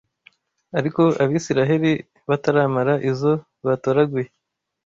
Ariko Abisiraheli bataramara izo batoraguye,